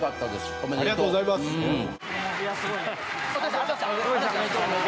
ありがとうございます。